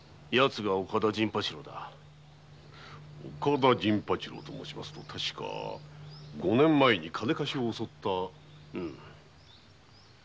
「岡田陣八郎」と申しますと確か五年前に金貸しを襲った。